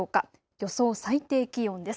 予想最低気温です。